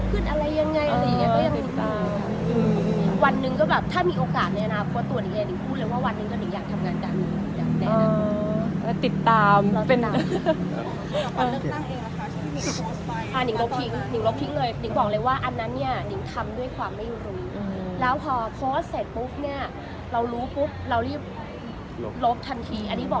ก็ยังตอนนี้ไม่ค่ะตอนนี้อาทิตย์หนึ่งก็จะไปแบบฝังเข็ม